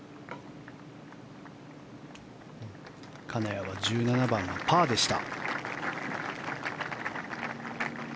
金谷は１７番、パーでした。